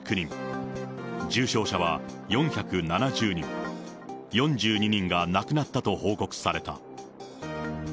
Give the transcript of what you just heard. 重症者は４７０人、４２人が亡くなったと報告された。